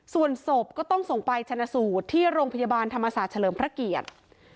ส่วนศพก็ต้องส่งไปชนะสูตรที่โรงพยาบาลธรรมศาสตร์เฉลิมพระเกียรติ